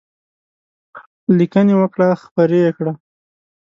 لیکنې وکړه خپرې یې کړه.